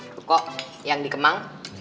ruko yang di kemang